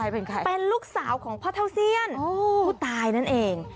เป็นใครเป็นลูกสาวของพ่อเท่าเซียนผู้ตายนั่นเอง